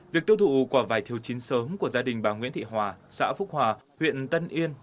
vỏ vải thiều chín sớm của gia đình bà nguyễn thị hòa xã phúc hòa huyện tân yên